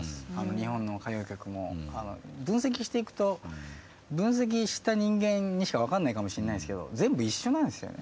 日本の歌謡曲も分析していくと分析した人間にしか分かんないかもしれないんですけど全部一緒なんですよね。